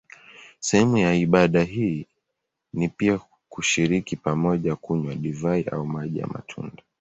Sehemu ya ibada hii ni pia kushiriki pamoja kunywa divai au maji ya matunda.